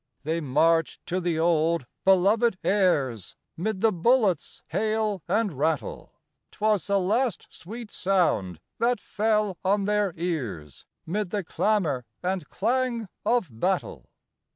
They marched to the old belovèd airs 'Mid the bullets' hail and rattle; 'Twas the last sweet sound that fell on their ears 'Mid the clamor and clang of battle.